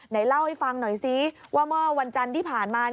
ไหนเล่าให้ฟังหน่อยซิว่าเมื่อวันจันทร์ที่ผ่านมา